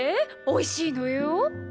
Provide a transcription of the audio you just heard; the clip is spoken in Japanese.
おいしいのよォ？